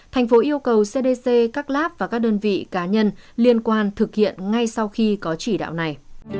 thành phố yêu cầu cdc các láp và các đơn vị cá nhân liên quan thực hiện ngay sau khi có chỉ đạo này